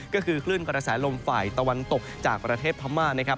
ก็คือคลื่นกระแสลมฝ่ายตะวันตกจากประเทศพม่านะครับ